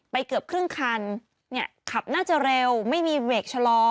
ไปเกือบครึ่งคันขับน่าจะเร็วไม่มีเวรเวกชะลอ